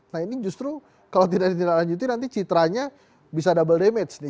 nah ini justru kalau tidak ditindaklanjuti nanti citranya bisa double damage nih